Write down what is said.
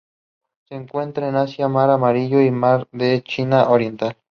Se encuentran en Asia: Mar Amarillo y Mar de la China Oriental.